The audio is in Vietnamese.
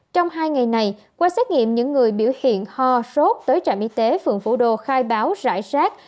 trong hai ngày này qua xét nghiệm những người biểu hiện ho sốt tới trạm y tế phường phủ đồ khai báo rải rác